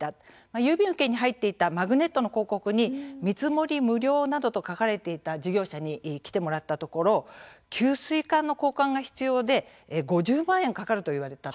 郵便受けに入っていたマグネットの広告に見積もり無料などと書かれていた事業者に来てもらったところ給水管の交換が必要で５０万円かかると言われた。